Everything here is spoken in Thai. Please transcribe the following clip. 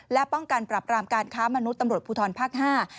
และป้องกันปรับรามการค้ามนุษย์ตำรวจภูทรภาคห้า